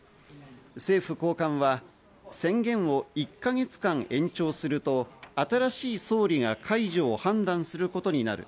政府高官は宣言を１か月間延長すると、新しい総理が解除を判断することになる。